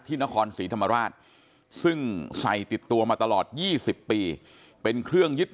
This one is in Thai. นครศรีธรรมราชซึ่งใส่ติดตัวมาตลอด๒๐ปีเป็นเครื่องยึด